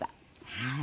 はい。